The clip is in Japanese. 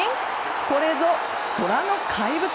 これぞ虎の怪物！